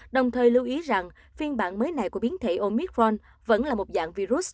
đồng thời lưu ý rằng phiên bản mới này của biến thể omithron vẫn là một dạng virus